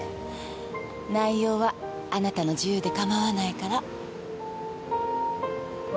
内容はあなたの自由で構わないから。